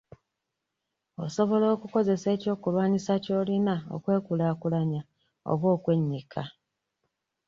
Osobolo okukozesa eky'okulwanisa ky'olina okwekulaakulanya oba okwennyika.